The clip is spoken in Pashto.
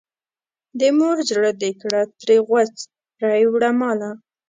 د مور زړه دې کړه ترې غوڅ رایې وړه ماله.